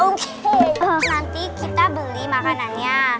nanti kita beli makanannya